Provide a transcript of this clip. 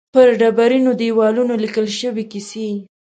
پر ډبرینو دېوالونو لیکل شوې کیسې.